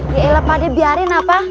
ya elah pak de biarin apa